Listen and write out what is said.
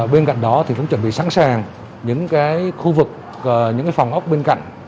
bên cạnh đó thì cũng chuẩn bị sẵn sàng những khu vực những phòng ốc bên cạnh